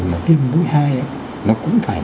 mà tiêm mũi hai nó cũng phải